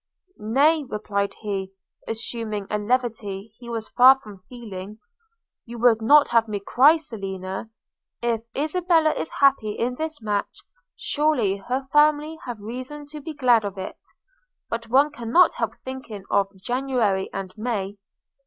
'Nay,' replied he, assuming a levity he was far from feeling, 'you would not have me cry, Selina! If Isabella is happy in this match, surely her family have reason to be glad of it; but one cannot help thinking of January and May!'